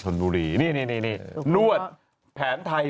นี่นี่นวดแผนไทย